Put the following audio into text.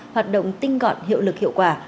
hoạt động tinh gọn hiệu lực hiệu quả